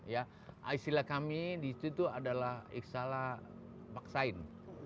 ya istilah kami di situ adalah iqsalah paksain